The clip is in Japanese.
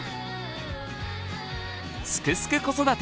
「すくすく子育て」